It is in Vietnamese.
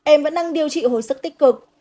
em vẫn đang điều trị hồi sức tích cực